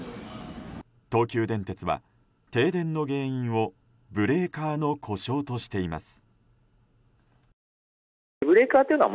東急電鉄は、停電の原因をブレーカーの故障としています。